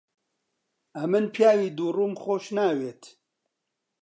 ئەمن پیاوی دووڕووم خۆش ناوێت.